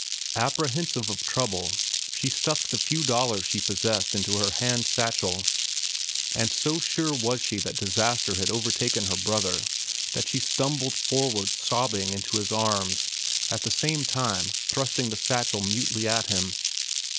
Apprehensive of trouble, she had stuffed the few dollars she possessed into her hand satchel; and so sure was she that disaster had overtaken her brother, that she stumbled forward, sobbing, into his arms, at the same time thrusting the satchel mutely at him.